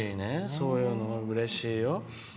そういうのはうれしいよ。